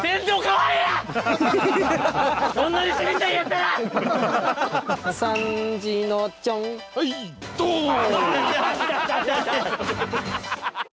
はいドーン！